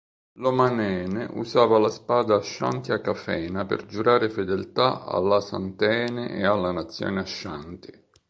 L'Omanhene usava la spada Ashanti Akafena per giurare fedeltà all'Asantehene e alla nazione Ashanti.